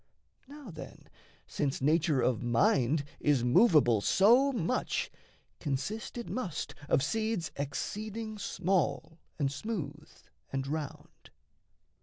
Now, then, Since nature of mind is movable so much, Consist it must of seeds exceeding small And smooth and round.